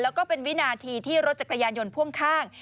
แล้วก็เป็นวินาทีที่รถจักรยานยนต์พ่วงข้าง